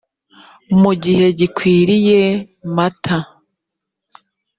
mu gihe gikwiriye mat